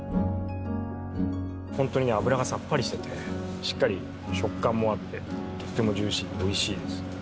本当に脂がさっぱりしててしっかり食感もあってとてもジューシーでおいしいです。